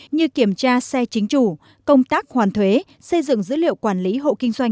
như kiểm tra xe chính chủ công tác hoàn thuế xây dựng dữ liệu quản lý hộp